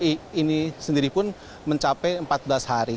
jadi ini sendiri pun mencapai empat belas hari